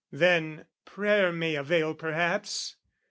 Then, prayer may avail perhaps."